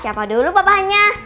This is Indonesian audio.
siapa dulu papahnya